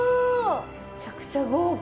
めちゃくちゃ豪華。